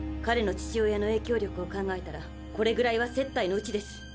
彼の父親の影響力を考えたらこれぐらいは接待のうちです。